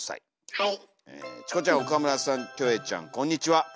はい。